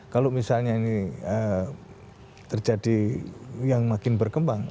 kalau misalnya ini terjadi yang makin berkembang